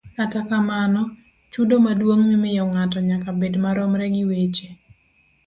Kata kamano, chudo maduong' mimiyo ng'ato nyaka bed maromre gi weche